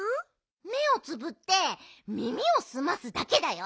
めをつぶってみみをすますだけだよ。